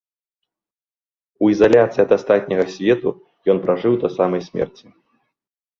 У ізаляцыі ад астатняга свету ён пражыў да самай смерці.